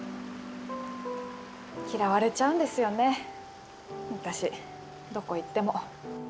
嫌われちゃうんですよね、私どこ行っても。